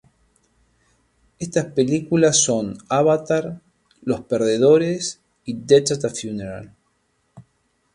Estas películas son "Avatar", "Los Perdedores", y "Death at a Funeral".